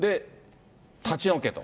立ち退けと。